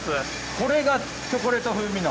これがチョコレート風味の？